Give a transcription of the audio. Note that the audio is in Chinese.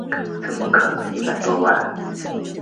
怎么可能一百多万